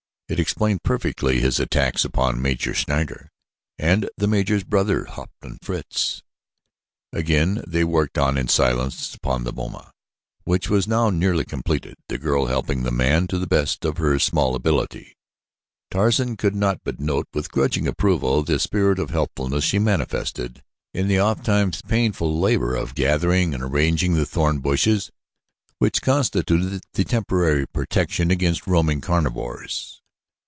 It explained perfectly his attacks upon Major Schneider and the Major's brother, Hauptmann Fritz. Again they worked on in silence upon the boma which was now nearly completed, the girl helping the man to the best of her small ability. Tarzan could not but note with grudging approval the spirit of helpfulness she manifested in the oft times painful labor of gathering and arranging the thorn bushes which constituted the temporary protection against roaming carnivores.